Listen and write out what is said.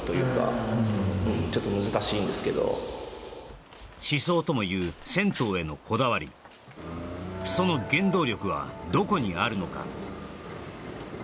そこは何かちょっと難しいんですけど思想ともいう銭湯へのこだわりその原動力はどこにあるのか？